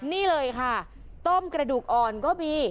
นี่เลยค่ะต้มกระดูกอ่อนก็มี